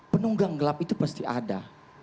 penunggang gelap itu pasti ada